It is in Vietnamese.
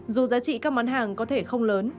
dù giá trị các món hàng có thể không lớn